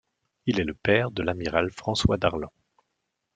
Il est le père de l'amiral François Darlan.